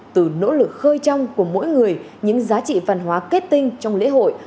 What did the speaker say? từ nỗ lực khơi trong của mỗi người những giá trị văn hóa kết tinh trong lễ hội